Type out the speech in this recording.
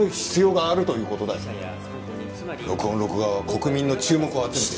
録音・録画は国民の注目を集めて。